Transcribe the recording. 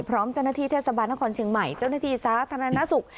พร้อมเจ้าหน้าที่เทศบาลนครเชียงใหม่เจ้าหน้าที่สาธารณสุข